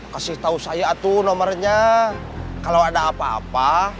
kasih tau saya tuh nomernya kalau ada apa apa